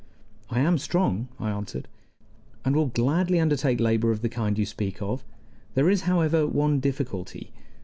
"I am strong," I answered, "and will gladly undertake labor of the kind you speak of. There is, however, one difficulty.